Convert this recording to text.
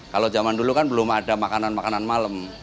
kalau zaman dulu kan belum ada makanan makanan malam